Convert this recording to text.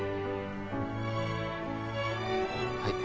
はい。